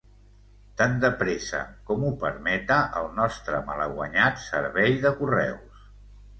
Tan de pressa com ho permeta el nostre malaguanyat servei de correus...